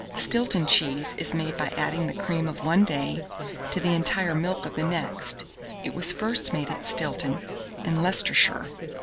Stilton cheese is made by adding the cream of one day to the entire milk of the next: it was first made at Stilton, in Leicestershire.